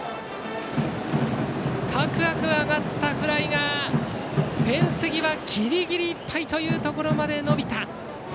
高く上がったフライがフェンス際ギリギリいっぱいというところまで伸びた。